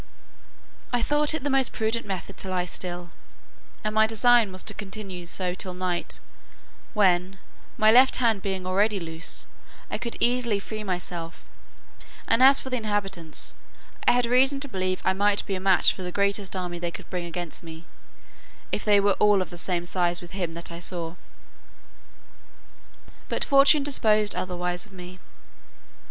I thought it the most prudent method to lie still, and my design was to continue so till night, when, my left hand being already loose, I could easily free myself: and as for the inhabitants, I had reason to believe I might be a match for the greatest army they could bring against me, if they were all of the same size with him that I saw. But fortune disposed otherwise of me.